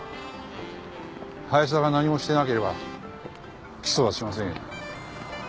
林田が何もしてなければ起訴はしませんよ。